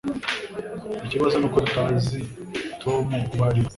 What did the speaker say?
Ikibazo nuko tutazi Tom uwo ari we